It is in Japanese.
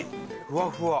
ふわふわ。